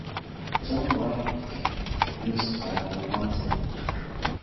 Jon Ryan became the team's primary punter.